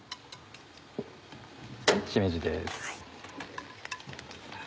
しめじです。